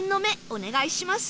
お願いします。